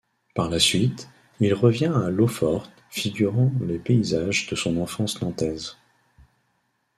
Par la suite, il revient à l'eau-forte, figurant les paysages de son enfance nantaise.